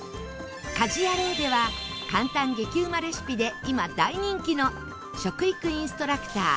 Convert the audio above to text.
『家事ヤロウ！！！』では簡単激うまレシピで今大人気の食育インストラクター